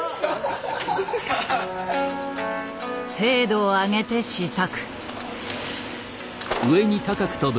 精度を上げて試作。